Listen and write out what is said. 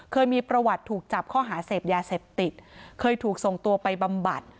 เคยมีประวัติถูกจับข้อหาเสพยาเสพติดเคยถูกส่งตัวไปบำบัด